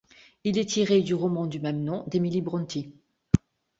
Il est tiré du roman du même nom d'Emily Brontë.